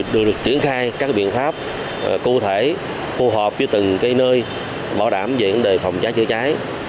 được được tiến khai các biện pháp cụ thể phù hợp với từng cái nơi bảo đảm về vấn đề phòng cháy chữa cháy